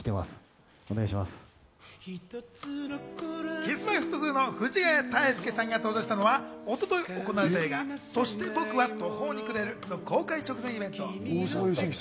Ｋｉｓ−Ｍｙ−Ｆｔ２の藤ヶ谷太輔さんが登場したのは一昨日行われた映画『そして僕は途方に暮れる』の公開直前イベント。